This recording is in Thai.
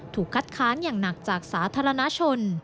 ถูกคัดค้านอย่างหนักจากสาธารณชน